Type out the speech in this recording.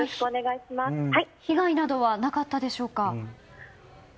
被害などはなかったでしょうか？